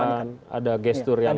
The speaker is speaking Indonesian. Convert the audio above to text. ketakutan ada gesture yang berbeda